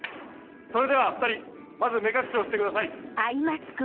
それでは２人まず目隠しをしてください。